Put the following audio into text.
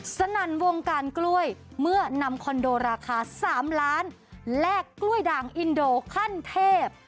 สนั่นวงการกล้วยเมื่อนำคอนโดราคา๓ล้านแลกกล้วยด่างอินโดขั้นเทพ